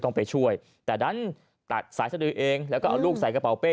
ไปช่วยแต่ดันตัดสายสดือเองแล้วก็เอาลูกใส่กระเป๋าเป้